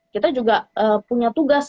kita juga punya tugas